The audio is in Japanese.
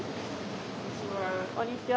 こんにちは。